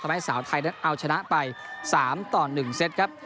ทำให้สาวไทยเอาชนะไป๓ต่อ๑เซ็ตครับ